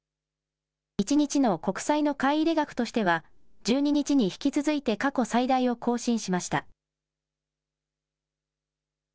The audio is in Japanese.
１日の国債の買い入れ額としては、１２日に引き続いて過去最大を更新しました。